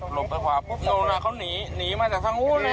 หลบไปขวาปุ๊บโดนอ่ะเขาหนีหนีมาจากทางนู้นนะ